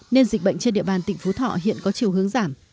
nên dịch bệnh trên địa bàn tỉnh phú thọ hiện có chiều hướng giảm